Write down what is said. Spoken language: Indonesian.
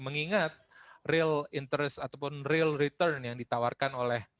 mengingat real interest ataupun real return yang ditawarkan oleh